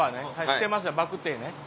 知ってますよバクテーね。